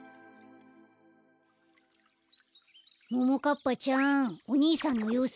ももかっぱちゃんおにいさんのようすはどう？